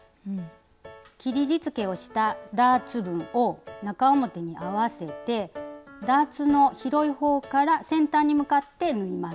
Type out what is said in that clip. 切りじつけをしたダーツ分を中表に合わせてダーツの広いほうから先端に向かって縫います。